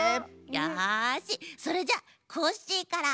よしそれじゃコッシーから！